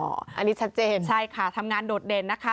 อันนี้ชัดเจนใช่ค่ะทำงานโดดเด่นนะคะ